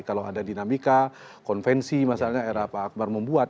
kalau ada dinamika konvensi masalahnya era pak akbar membuat